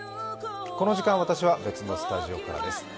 この時間、私は別のスタジオからです。